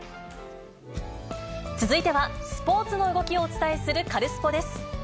続いてはスポーツの動きをお伝えするカルスポっ！です。